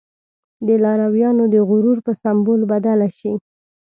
د لارويانو د غرور په سمبول بدله شي.